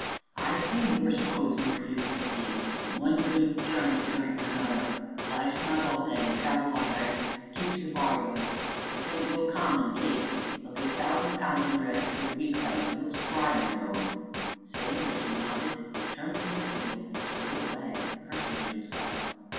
"I've see worse coves nor you!" said he, "and one good turn desarvin' another lie snug all day, and travel by night, and keep to the byroads this ain't no common case, there'll be a thousand pound on your 'ead afore the week's out so look spry, my cove!" saying which, he nodded, turned upon his heel, and strode away, cursing to himself.